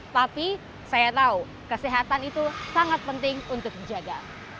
tapi saya tahu kesehatan itu sangat penting untuk dijaga